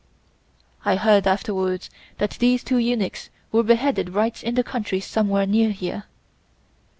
I heard afterwards that these two eunuchs were beheaded right in the country somewhere near here.